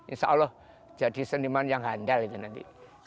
insya allah jadi seniman yang handal itu nanti